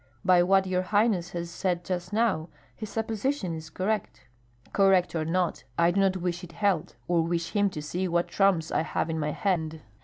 "By what your highness has said just now, his supposition is correct." "Correct or not, I do not wish it held, or wish him to see what trumps I have in my hand.